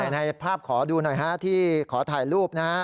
ในภาพขอดูหน่อยฮะที่ขอถ่ายรูปนะฮะ